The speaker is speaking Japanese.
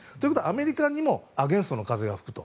アメリカにもアゲインストの風が吹くと。